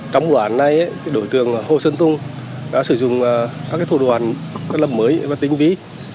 trong bộ án này đội tường hồ sơn tùng đã sử dụng các thủ đoàn lập mới và tính ví